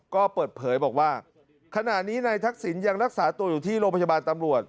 ก็เปิดเผยบอกว่าขณะนี้นายทักษิณยังรักษาตัวอยู่ที่โรงพยาบาลตำรวจ